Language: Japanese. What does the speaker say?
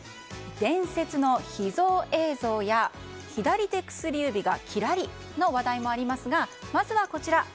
伝説の秘蔵映像や左手薬指がキラリ！の話題もありますがまずはこちら。